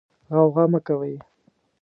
غوغا مه کوئ.